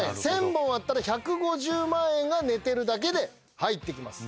１，０００本あったら１５０万円が寝てるだけで入ってきます。